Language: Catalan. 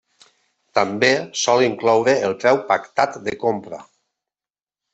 També sol incloure el preu pactat de compra.